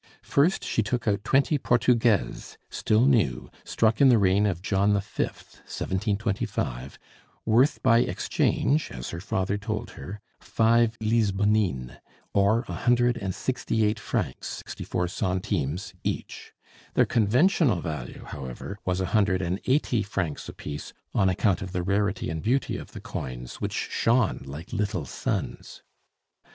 First she took out twenty portugaises, still new, struck in the reign of John V., 1725, worth by exchange, as her father told her, five lisbonnines, or a hundred and sixty eight francs, sixty four centimes each; their conventional value, however, was a hundred and eighty francs apiece, on account of the rarity and beauty of the coins, which shone like little suns.